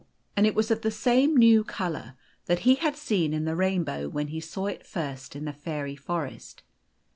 And it was of the same new T colour that he had seen in the rainbow when he saw it first in the fairy forest.